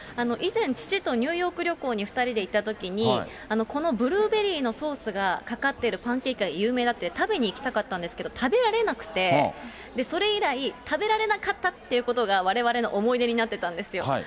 以前、父とニューヨーク旅行に２人で行ったときに、このブルーベリーのソースがかかっているパンケーキが有名だって、食べに行きたかったんですけど、食べられなくて、それ以来、食べられなかったということが、われわれの思い出になってたんですよ。